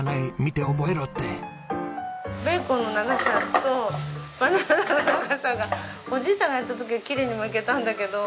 ベーコンの長さとバナナの長さがおじいさんがやった時はきれいに巻けたんだけど。